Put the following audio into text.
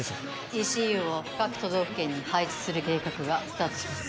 ＥＣＵを各都道府県に配置する計画がスタートします。